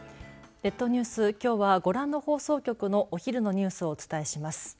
列島ニュース、きょうはご覧の放送局のお昼のニュースをお伝えします。